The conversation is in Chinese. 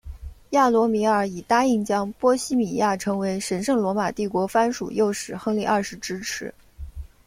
亚罗米尔以答应将波希米亚成为神圣罗马帝国藩属诱使亨利二世支持。